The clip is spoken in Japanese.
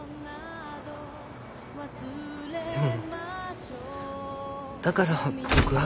でもだから僕は。